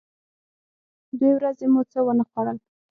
دوې ورځې مو څه و نه خوړل.